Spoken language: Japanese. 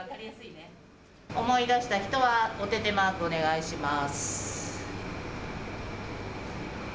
思い出した人はおててマーク、お願いします。